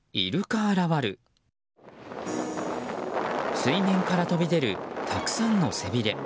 水面から飛び出るたくさんの背びれ。